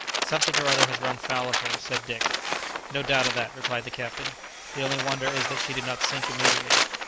"Something or other has run foul of her," said Dick. "No doubt of that," replied the captain; "the only wonder is that she did not sink immediately."